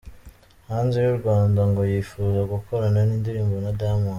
Hanze y'u Rwanda, ngo yifuza gukorana indirimbo na Diamond.